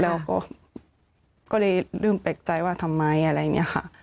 เราก็เลยลืมเป็นใจว่าทำไมอะไรเนี่ยค่ะ